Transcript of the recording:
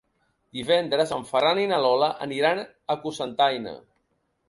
Divendres en Ferran i na Lola aniran a Cocentaina.